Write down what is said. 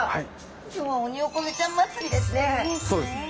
今日はオニオコゼちゃん祭りですね。